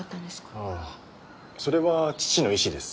ああそれは父の意思です。